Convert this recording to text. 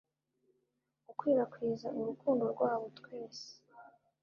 gukwirakwiza urukundo rwabo twese